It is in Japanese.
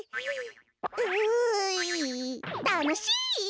たのしイ。